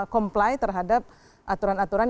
comply terhadap aturan aturan